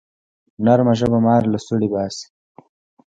نرمه ژبه مار له سوړي باسي